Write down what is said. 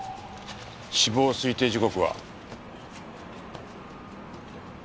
死亡推定時刻は？